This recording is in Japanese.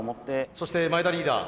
そして前田リーダー